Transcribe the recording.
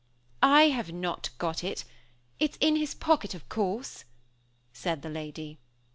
"I have not got it; how could I? It is in his pocket, of course," said the lady.